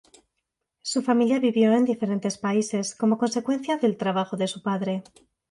Su familia vivió en diferentes países como consecuencia del trabajo de su padre.